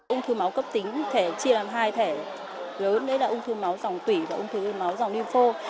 ung thư máu cấp tính chia làm hai thẻ lớn đấy là ung thư máu dòng tủy và ung thư máu dòng limpho